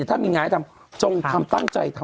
ถ้ามีงานให้ทำจงทำตั้งใจทำ